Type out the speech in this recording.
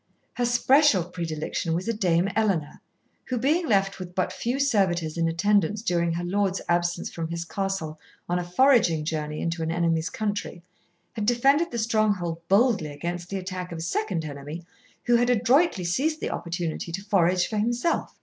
Her special predilection was a Dame Ellena, who, being left with but few servitors in attendance during her lord's absence from his castle on a foraging journey into an enemy's country, had defended the stronghold boldly against the attack of a second enemy who had adroitly seized the opportunity to forage for himself.